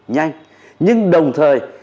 nhanh nhưng đồng thời